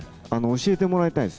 教えてもらいたいです。